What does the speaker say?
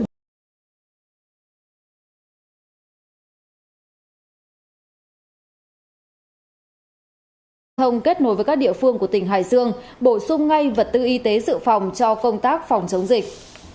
hồng kết nối với các địa phương của tỉnh hải dương bổ sung ngay vật tư y tế dự phòng cho công tác phòng chống dịch